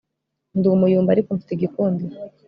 ndi umuyumbu ariko mfite igikundiro